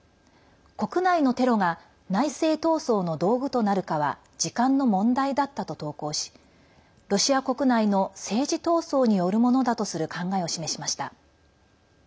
国内のテロが内政闘争の道具となるかは時間の問題だったと投稿しロシア国内の政治闘争によるものだとする考えを示しました。